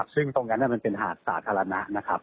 ซึ่งตรงนั้นมันเป็นหาดสาธารณะนะครับ